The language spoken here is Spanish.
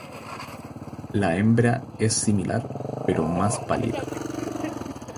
La hembra es similar pero más pálida.